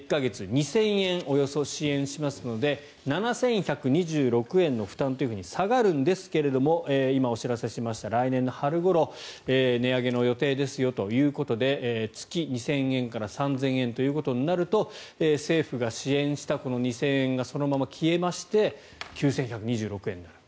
１か月およそ２０００円しますので７１２６円の負担というふうに下がるんですけども今お知らせしました来年の春ごろ値上げの予定ですよということで月２０００円から３０００円となると政府が支援した２０００円がそのまま消えまして９１２６円になる。